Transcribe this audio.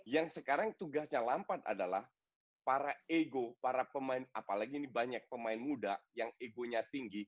yang sekarang tugasnya lampat adalah para ego para pemain apalagi ini banyak pemain muda yang egonya tinggi